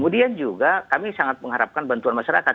dan juga kami sangat mengharapkan bantuan masyarakat